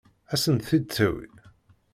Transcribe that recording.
Ad sent-t-id-tawi?